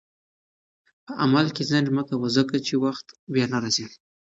په عمل کې ځنډ مه کوه، ځکه چې وخت بیا نه راځي.